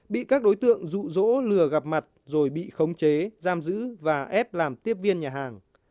bị các đối tượng rụ rỗ lừa gặp mặt rồi bị khống chế giam giữ và ép làm tiếp viên nhà hàng